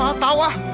ah tau ah